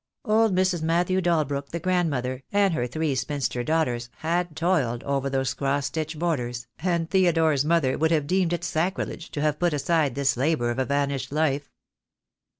Old Mrs. Matthew Dalbrook, the grandmother, and her three spinster daughters had toiled over those cross stitch 2 6 THE DAY WILL COME. borders, and Theodore's mother would have deemed it sacrilege to have put aside this labour of a vanished life.